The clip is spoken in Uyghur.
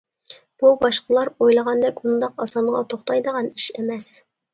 بۇ، باشقىلار ئويلىغاندەك ئۇنداق ئاسانغا توختايدىغان ئىش ئەمەس.